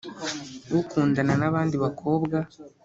ukundana nabandi bakobwa.